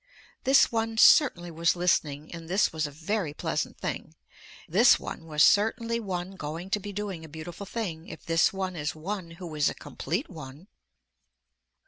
This one certainly was listening and this was a very pleasant thing, this one was certainly one going to be doing a beautiful thing if this one is one who is a complete one.